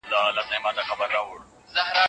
خلګ په عدالتي نظام کي خوشحاله وي.